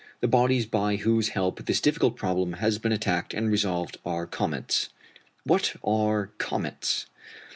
The bodies by whose help this difficult problem has been attacked and resolved are comets. What are comets?